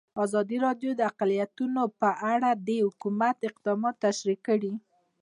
ازادي راډیو د اقلیتونه په اړه د حکومت اقدامات تشریح کړي.